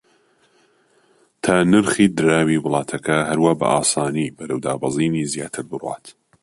تا نرخی دراوی وڵاتەکە هەروا بە ئاسانی بەرەو دابەزینی زیاتر بڕوات